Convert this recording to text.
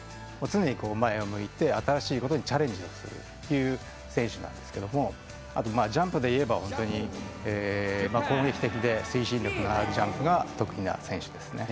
常に前を向いて、新しいことにチャレンジをするという選手なんですけどジャンプで言えば、攻撃的で精神力のあるジャンプが得意な選手です。